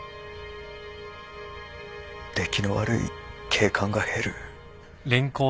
出来の悪い警官が減る。